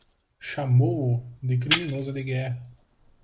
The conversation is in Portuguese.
Chamou-o de criminoso de guerra